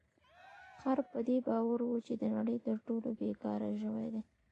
خر په دې باور و چې د نړۍ تر ټولو بې کاره ژوی دی.